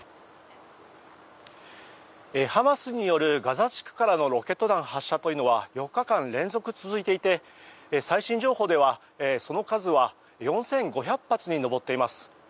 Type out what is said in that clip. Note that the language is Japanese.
ハマスによる、ガザ地区からのロケット弾発射というのは４日連続続いていて最新情報ではその数は４５００発に上っています。